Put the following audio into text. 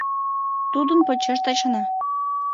Тудын почеш Тачана.